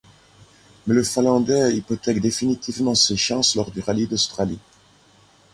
Mais le Finlandais hypothèque définitivement ses chances lors du rallye d'Australie.